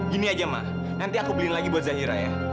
gini aja mak nanti aku beliin lagi buat zahira ya